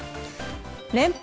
連敗